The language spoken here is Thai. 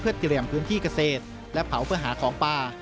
เตรียมพื้นที่เกษตรและเผาเพื่อหาของป่า